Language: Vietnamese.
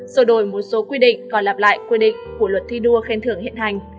sửa đổi một số quy định còn lặp lại quy định của luật thi đua khen thưởng hiện hành